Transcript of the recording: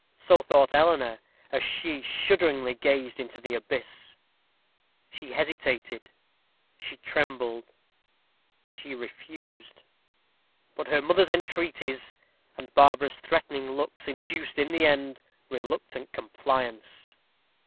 So thought Eleanor, as she shudderingly gazed into the abyss. She hesitated; she trembled; she refused. But her mother's entreaties, and Barbara's threatening looks, induced, in the end, reluctant compliance.